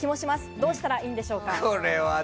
どうしたらいいのでしょうか？